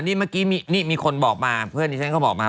นี่เมื่อกี้นี่มีคนบอกมาเพื่อนที่ฉันก็บอกมา